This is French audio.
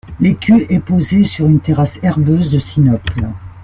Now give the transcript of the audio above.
L'écu est posé sur une terrasse herbeuse de Sinople.